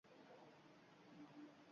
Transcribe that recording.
— Quruvchilar binoni topshirib ketdi.